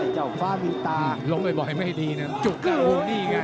เจ้าฟ้ามีตาล้มบ่อยไม่ดีนะจุกนะโอ้นี่ไง